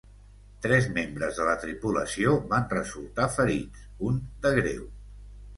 Tres membres de la tripulació van resultar ferits, un de greu.